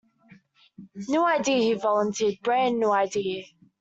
New idea, he volunteered, brand new idea.